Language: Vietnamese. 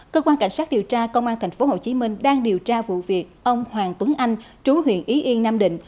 các điều tra công an tp hcm đang điều tra vụ việc ông hoàng tuấn anh trú huyện y yên nam định